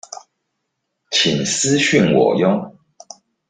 請私訊我唷